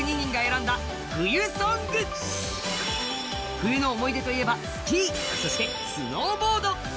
冬の思い出といえば、スキーそしてスノーボード。